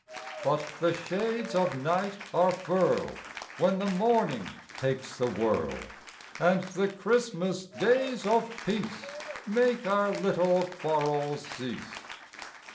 But the shades of night are furled When the morning takes the world, And the Christmas days of peace Make our little quarrels cease.